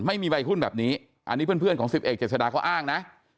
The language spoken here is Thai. ไม่มีวัยรุ่นแบบนี้อันนี้เพื่อนของสิบเอกเจษฎาเขาอ้างนะ